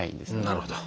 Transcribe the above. なるほど。